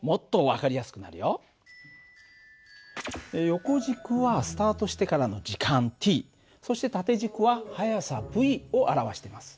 横軸はスタートしてからの時間ｔそして縦軸は速さυを表してます。